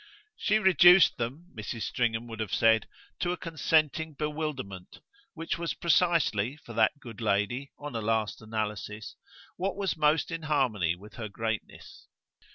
She reduced them, Mrs. Stringham would have said, to a consenting bewilderment; which was precisely, for that good lady, on a last analysis, what was most in harmony with her greatness.